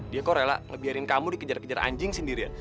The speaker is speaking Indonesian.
dia kok rela ngebiarin kamu dikejar kejar anjing sendirian